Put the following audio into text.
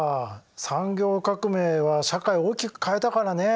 産業革命は社会を大きく変えたからね。